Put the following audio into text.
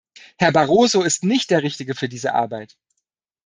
Herr Barroso ist nicht der Richtige für diese Arbeit.